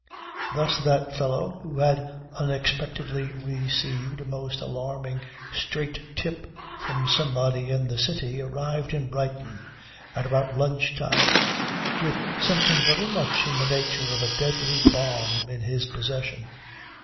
Thus, that fellow, who had unexpectedly received a most alarming straight tip from somebody in the City arrived in Brighton, at about lunch time, with something very much in the nature of a deadly bomb in his possession.